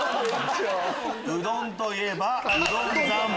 うどんといえば。